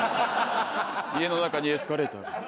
家の中にエスカレーターがある。